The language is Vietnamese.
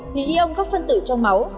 thì ion các phân tử trong máu